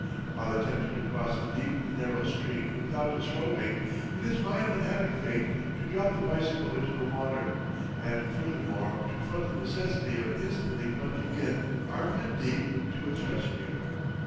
While attempting to cross a deep, narrow stream without disrobing, it is my unhappy fate to drop the bicycle into the water, and furthermore to front the necessity of instantly plunging in, armpit deep, to its rescue.